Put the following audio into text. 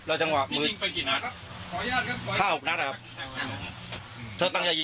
อยากขอโทษผู้เสียชีวิตยังไงบ้างพี่